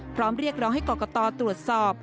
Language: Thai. เรียกร้องให้กรกตตรวจสอบ